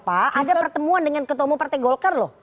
ada pertemuan dengan ketemu partai golkar loh